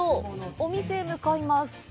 お店へ向かいます。